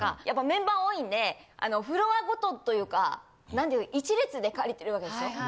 やっぱメンバーが多いんでフロアごとというか何という一列で借りている訳ですよ。